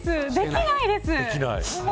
できないです。